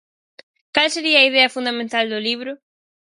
Cal sería a idea fundamental do libro?